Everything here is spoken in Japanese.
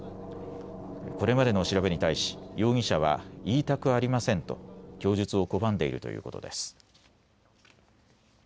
これまでの調べに対し容疑者は言いたくありませんと供述を拒んでいるということです。